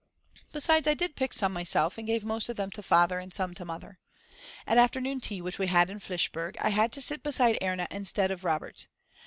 Besides, I did pick some myself and gave most of them to Father and some to Mother. At afternoon tea which we had in Flischberg I had to sit beside Erna instead of Robert.